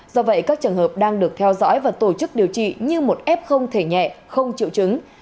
do vậy các trường hợp đang được theo dõi và tổ chức điều trị như một f không thể nhẹ không chịu chứng